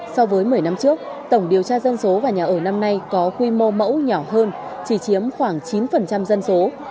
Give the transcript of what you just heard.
so với một mươi năm trước tổng điều tra dân số và nhà ở năm nay có quy mô mẫu nhỏ hơn chỉ chiếm khoảng chín dân số